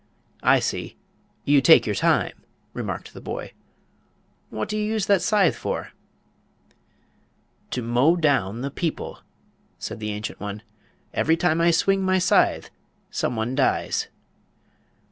"I see, you take your time," remarked the boy. "What do you use that scythe for?" "To mow down the people," said the ancient one. "Every time I swing my scythe some one dies."